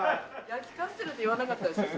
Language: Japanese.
焼きカステラって言わなかったですか？